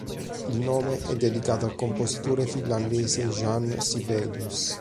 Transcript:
Il nome è dedicato al compositore finlandese Jean Sibelius.